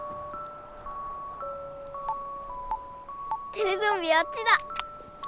テレゾンビあっちだ！